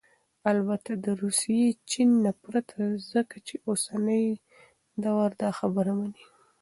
البته دروسي ، چين ... نه پرته ، ځكه چې اوسنى دور داخبره مني